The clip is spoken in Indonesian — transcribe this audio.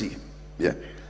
kita harus belajar menghargai